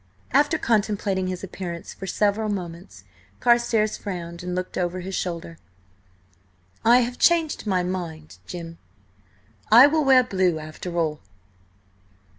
After contemplating his appearance for several moments, Carstares frowned and looked over his shoulder. "I have changed my mind, Jim. I will wear blue after all."